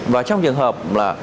và trong trường hợp là